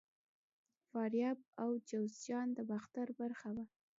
فاریاب او جوزجان د باختر برخه وو